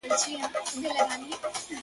خداي دي ورکه کرونا کړي څه کانې په خلکو کاندي٫